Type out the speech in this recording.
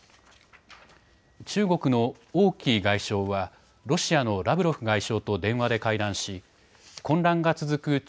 中国の王毅外相はロシアのラブロフ外相と電話で会談し混乱が続く